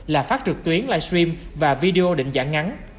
là phát trực tuyến live stream và video định dạng ngắn